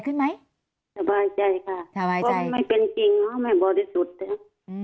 ขึ้นไหมสบายใจค่ะสบายใจไม่เป็นจริงเพราะไม่เบาที่สุดอืม